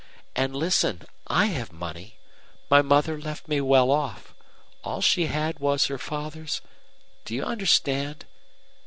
"And listen. I have money. My mother left me well off. All she had was her father's Do you understand?